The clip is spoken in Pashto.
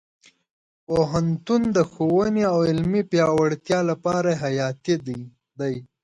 پوهنتون د ښوونې او علمي پیاوړتیا لپاره حیاتي دی.